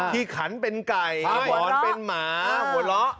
อ๋อที่ขันเป็นไก่หัวเราะหัวเราะ